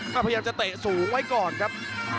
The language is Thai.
พยายามจะเตะสูงไว้ก่อนครับ